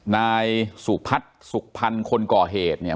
นายสุพัฒน์สุขพันธ์คนก่อเหตุเนี่ย